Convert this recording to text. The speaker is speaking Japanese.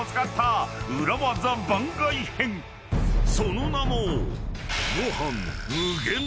［その名も］